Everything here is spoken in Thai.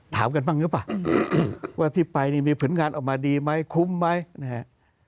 ถามกันบ้างหรือเปล่าว่าที่ไปนี่มีผลงานออกมาดีไหมคุ้มไหมนะฮะ